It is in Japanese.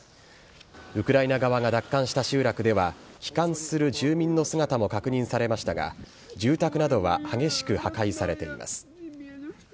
ウクライナ側が奪還した集落では帰還する住民の姿も確認されましたが住宅などは激しく破壊されています。